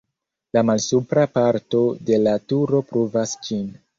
La malsupra parto de la turo pruvas ĝin.